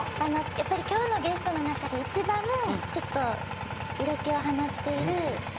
やっぱり今日のゲストの中で一番色気を放っている。